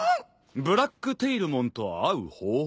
ブラックテイルモンと会う方法？